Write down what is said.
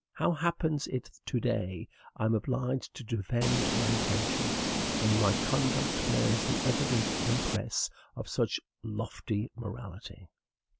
How happens it that to day I am obliged to defend my intentions, when my conduct bears the evident impress of such lofty morality?